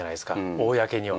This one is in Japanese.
公には。